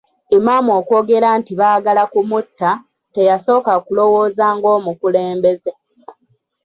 Imam okwogera nti baagala ku mutta, teyasooka kulowooza ng'omukulembeze.